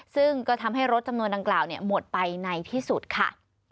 ซึ่งก็ทำให้รถจำนวนดังกล่าวหมดไปในที่สุดค่ะ